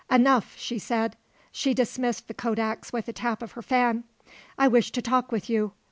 "Enough," she said. She dismissed the kodaks with a tap of her fan. "I wish to talk with you.